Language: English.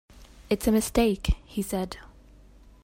"It's a mistake," he said.